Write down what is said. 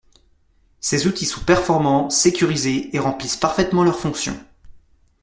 Ces outils sont performants, sécurisés, et remplissent parfaitement leurs fonctions